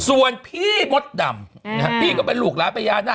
ส่วนพี่มทดำเออนะฮะพี่ก็เป็นลูกหลานประญานะ